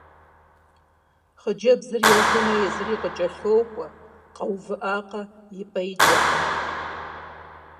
Хъыджэбзыр ежьэмэ, езыри къыкӀэлъокӀуэ, къэувыӀакъэ – и пӀэ икӀыркъым.